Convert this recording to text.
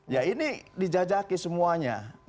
ya ini dijajaki semuanya